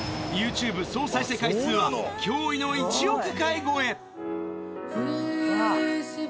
ＹｏｕＴｕｂｅ総再生回数は驚異の１億回超え。